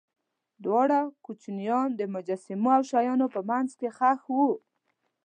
دواړه کوچنیان د مجسمو او شیانو په منځ کې ښخ وو.